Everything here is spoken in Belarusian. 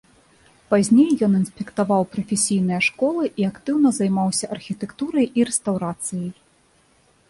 Пазней ён інспектаваў прафесійныя школы і актыўна займаўся архітэктурай і рэстаўрацыяй.